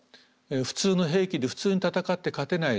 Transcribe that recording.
普通の兵器で普通に戦って勝てない。